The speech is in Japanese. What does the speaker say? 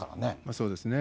そうですね。